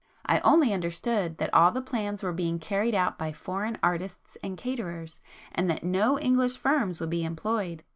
I only understood that all the plans were being carried out by foreign artists and caterers,—and that no English firms would be employed.